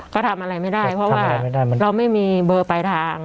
ก็ทำอะไรไม่ได้เพราะว่าทำอะไรไม่ได้เราไม่มีเบอร์ปลายทาง